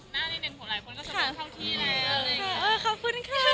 ถามเป็นเรื่องหน้าทุกคนเราก็พูดเท่าที่แล้ว